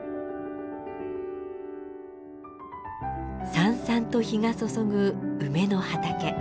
さんさんと日が注ぐ梅の畑。